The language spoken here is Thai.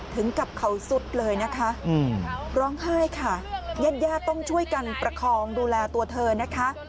ถึงกับเขาสุดเลยนะคะร้องไห้ค่ะญาติญาติต้องช่วยกันประคองดูแลตัวเธอนะคะ